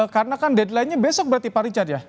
karena kan deadline nya besok berarti pak richard ya